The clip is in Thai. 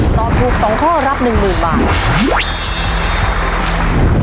ตอบถูก๒ข้อรับ๑๐๐๐บาท